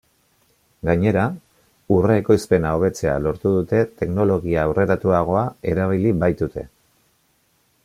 Gainera, urre ekoizpena hobetzea lortu dute teknologia aurreratuagoa erabili baitute.